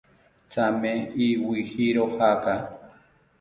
Thame iwijiro jaaka